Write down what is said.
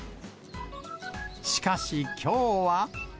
しかし、きょうは。